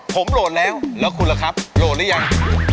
ผมโหลดแล้วแล้วคุณล่ะครับโหลดหรือยัง